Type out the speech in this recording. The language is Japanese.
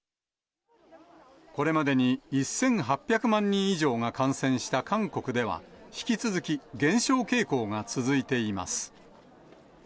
これまでに１８００万人以上が感染した韓国では、引き続き減少傾向が続いています。